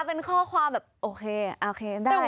เป็นข้อความแบบโอเคโอเคได้